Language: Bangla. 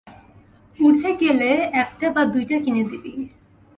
উর্ধ্বে গেলে একটা বা দুইটা কিনে দিবি।